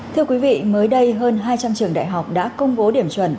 thưa quý vị mới đây hơn hai trăm linh trường đại học đã công bố điểm chuẩn